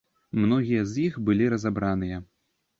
Многія з іх былі разабраныя.